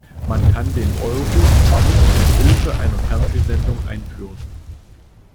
Man kann den Euro nicht mit Hilfe einer Fernsehsendung einführen.